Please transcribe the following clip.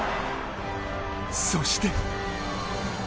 そして。